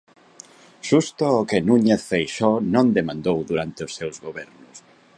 Xusto o que Núñez Feixóo non demandou durante os seus Gobernos.